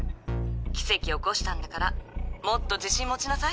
奇跡起こしたんだからもっと自信持ちなさい。